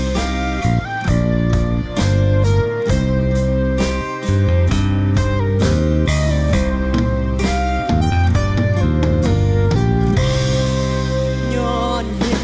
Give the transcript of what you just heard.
สมาธิพร้อมเพลงที่๒ไม่ถูกต้องโดยเพลงที่๑เพลงที่๒จำเป็นไหน